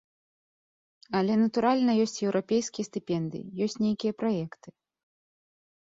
Але, натуральна, ёсць еўрапейскія стыпендыі, ёсць нейкія праекты.